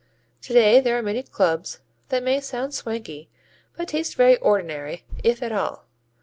Today there are many clubs that may sound swanky but taste very ordinary, if at all.